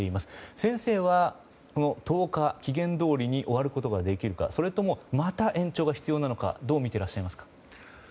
先生は、１０日期限通りに終わることができるかそれとも、また延長が必要なのかどう見てらっしゃいますか。